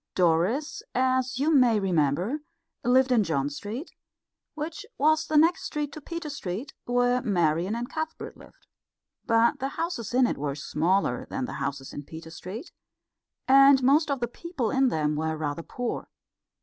Doris, as you may remember, lived in John Street, which was the next street to Peter Street, where Marian and Cuthbert lived. But the houses in it were smaller than the houses in Peter Street, and most of the people in them were rather poor.